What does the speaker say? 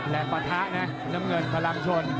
แรงปะทะเนี่ยน้ำเงินพลังชน